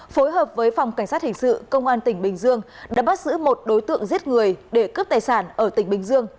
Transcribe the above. phối hợp với phòng cảnh sát hình sự công an tỉnh bình dương đã bắt giữ một đối tượng giết người để cướp tài sản ở tỉnh bình dương